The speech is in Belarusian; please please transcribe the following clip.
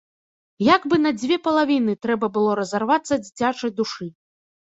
Як бы на дзве палавіны трэба было разарвацца дзіцячай душы.